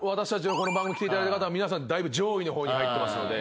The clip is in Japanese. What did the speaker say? この番組来ていただいた方は皆さんだいぶ上位の方に入ってますので。